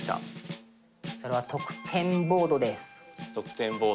それは得点ボードです。